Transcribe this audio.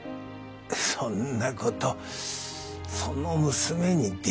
そんなことその娘にできるのかねえ。